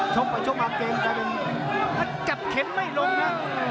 ชบกับเกมจะเป็นจับแขนไม่ลงน่ะ